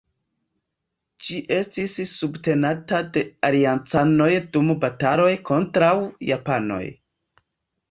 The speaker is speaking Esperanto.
Ĝi estis subtenata de aliancanoj dum bataloj kontraŭ japanoj.